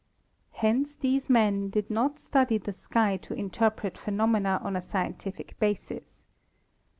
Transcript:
Hence these men did not study the sky to interpret phenomena on a scientific basis.